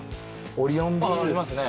オリオンビールああありますね